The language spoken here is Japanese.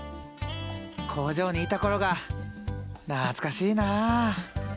工場にいた頃が懐かしいな。